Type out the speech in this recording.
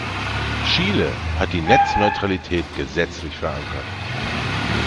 Chile hat die Netzneutralität gesetzlich verankert.